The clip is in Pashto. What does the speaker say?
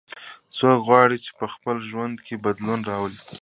څوک غواړي چې په خپل ژوند کې بدلون راولي